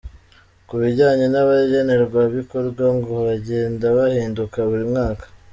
Ku bijyanye n’abagenerwabikorwa ngo bagenda bahinduka buri mwaka.